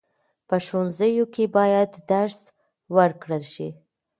په ښوونځیو کې باید درس ورکړل شي.